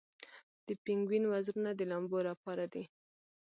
د پینګوین وزرونه د لامبو لپاره دي